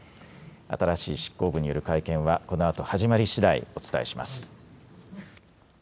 新しい執行部による会見は、このあと始まりしだいお伝えします。